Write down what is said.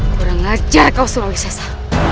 kurang ajar kau sulawesiasa